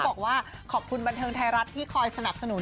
บอกว่าขอบคุณบันเทิงไทยรัฐที่คอยสนับสนุน